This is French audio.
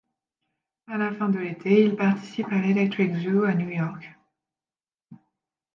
À la fin de l'été, ils participent à l'Electric Zoo à New York.